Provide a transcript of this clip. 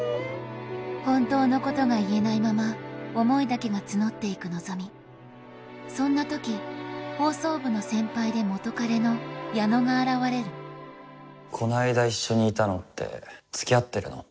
本当のことが言えないまま思いだけが募っていく希美そんなとき放送部の先輩で元カレの矢野が現れるこの間一緒にいたのって付き合ってるの？